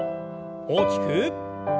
大きく。